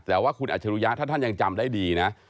แต่ว่าคุณอัจฉริยะถ้าท่านยังจำได้ดีนะ